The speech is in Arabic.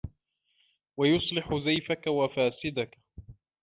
وَيُصْلِحُ زَيْفَك وَفَاسِدَك